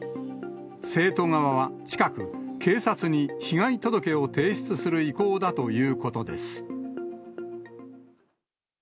生徒側は近く、警察に被害届を提出する意向だということです。